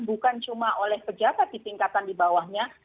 bukan cuma oleh pejabat di tingkatan di bawahnya